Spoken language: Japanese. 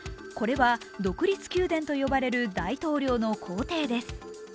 これは独立宮殿と呼ばれる大統領の豪邸です。